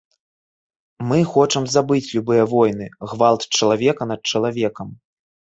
Мы хочам забыць любыя войны, гвалт чалавека над чалавекам.